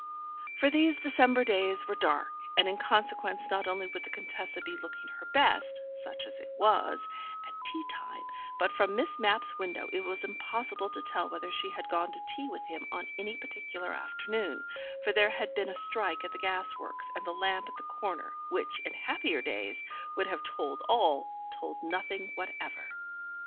For these December days were dark, and in consequence not only would the Contessa be looking her best (such as it was) at tea time, but from Miss Mapp's window it was impossible to tell whether she had gone to tea with him on any particular afternoon, for there had been a strike at the gas works, and the lamp at the corner, which, in happier days, would have told all, told nothing whatever.